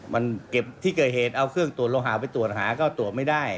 มันเก็บที่เกิดเหตุเอาเครื่องตรวจโลหะไปตรวจหาก็ตรวจไม่ได้